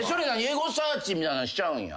エゴサーチみたいなんしちゃうんや。